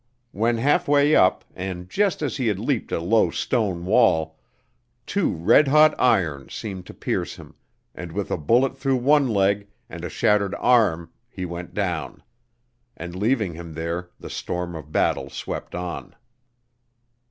When half way up, and just as he had leaped a low stone wall, two red hot irons seemed to pierce him, and with a bullet through one leg, and a shattered arm he went down, and leaving him there, the storm of battle swept on!